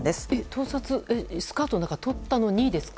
盗撮、スカートの中を撮ったのにですか？